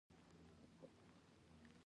دا وده په نړیواله کچه چټکه اقتصادي وده ده.